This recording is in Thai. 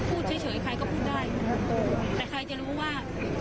พูดเฉยใครก็พูดได้แต่ใครจะรู้ว่า